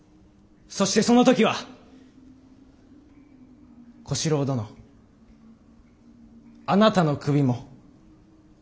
そしてその時は小四郎殿あなたの首も。